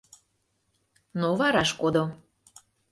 — Но вараш кодо.